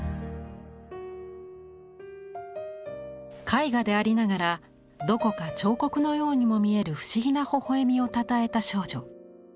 絵画でありながらどこか彫刻のようにも見える不思議なほほ笑みをたたえた少女。